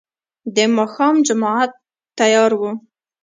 د ماښام جماعت تيار و.